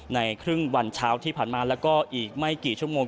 ในครึ่งวันเช้าที่ผ่านมาแล้วก็อีกไม่กี่ชั่วโมง